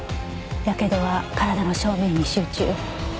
やけどは体の正面に集中。